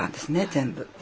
全部。